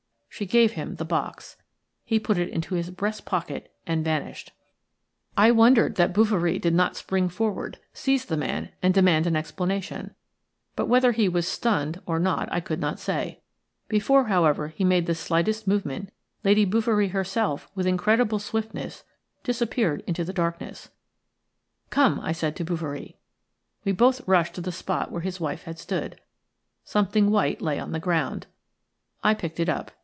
She gave him the box; he put it into his breast pocket and vanished. "A MAN WITH A MASK OVER HIS FACE APPROACHED HER." I wondered that Bouverie did not spring forward, seize the man, and demand an explanation; but whether he was stunned or not I could not say. Before, however, he made the slightest movement Lady Bouverie herself with incredible swiftness disappeared into the darkness. "Come," I said to Bouverie. We both rushed to the spot where his wife had stood – something white lay on the ground, I picked it up.